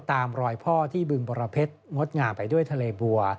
ตามรอยพ่อที่บึงบรเพชรงดงามไปด้วยทะเลบัว